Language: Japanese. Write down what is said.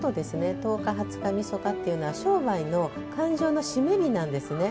１０日、２０日、晦日っていうのは商売の勘定の締め日なんですね。